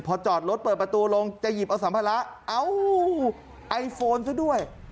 พอจอดรถเปิดประตูลงจะหยิบเอาสัมภาระเอ้าไอโฟนซะด้วย